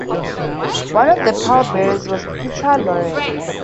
One of the pallbearers was Peter Lorre.